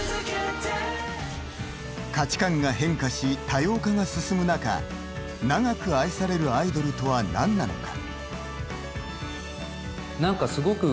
価値観が変化し、多様化が進む中長く愛されるアイドルとは何なのか。